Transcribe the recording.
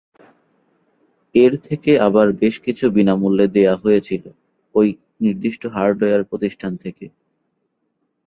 এর থেকে আবার বেশকিছু বিনামূল্যে দেয়া হয়েছিল ঐ নির্দিষ্ট হার্ডওয়্যার প্রতিষ্ঠান থেকে।